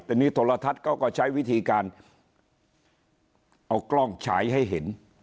แต่นี่โทรทัศน์เขาก็ใช้วิธีการเอากล้องฉายให้เห็น